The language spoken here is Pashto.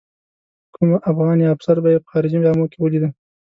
کوم افغان یا افسر به یې په خارجي جامو کې ولیده.